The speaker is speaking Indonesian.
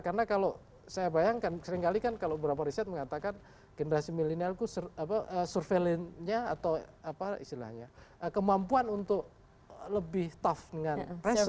karena kalau saya bayangkan seringkali kan kalau beberapa riset mengatakan generasi milenial itu surveillance nya atau kemampuan untuk lebih tough dengan pressure